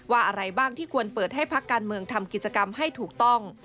อะไรบ้างที่ควรเปิดให้พักการเมืองทำกิจกรรมให้ถูกต้อง